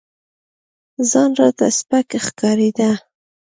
ځان راته سپك ښكارېده.